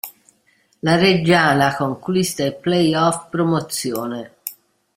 La Reggiana conquista i play off promozione.